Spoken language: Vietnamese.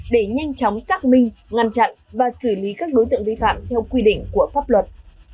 để nhanh chóng xác minh ngăn chặn và xử lý các đối tượng vi phạm theo quy định của pháp luật